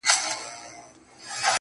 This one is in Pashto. خود نو په دغه يو سـفر كي جادو~